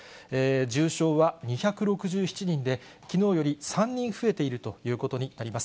重症は２６７人で、きのうより３人増えているということになります。